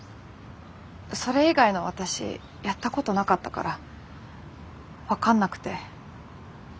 それ以外の私やったことなかったから分かんなくて。